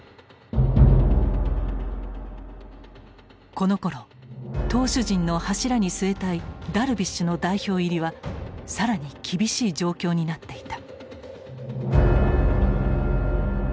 このころ投手陣の柱に据えたいダルビッシュの代表入りは更に厳しい状況になっていた。